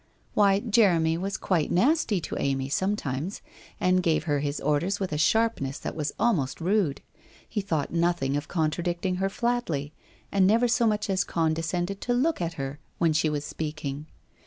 Why, Jeremy was quite nasty to Amy sometimes, and gave her his orders with a sharpness that was almost rude. He thought nothing of contradicting her flatly, and never so much as condescended to look at her when she was speaking.